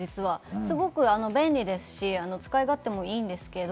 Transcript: すごく便利ですし、使い勝手もいいんですけど。